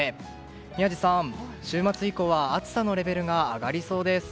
宮司さん、週末以降は暑さのレベルが上がりそうです。